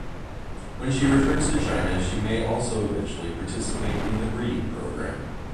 When she returns to China, she may also eventually participate in the breeding program.